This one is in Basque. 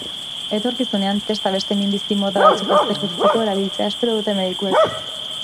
Etorkizunean testa beste minbizi mota batzuk aztertzeko erabiltzea espero dute medikuek.